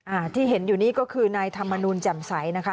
อ่าที่เห็นอยู่นี่ก็คือนายธรรมนูลแจ่มใสนะคะ